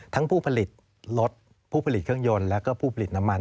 ผู้ผลิตรถผู้ผลิตเครื่องยนต์แล้วก็ผู้ผลิตน้ำมัน